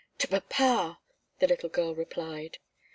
"To papa!" the little girl replied.